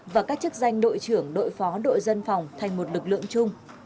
và các chức danh đội trưởng đội phó đội dân phòng thành một lực lượng chung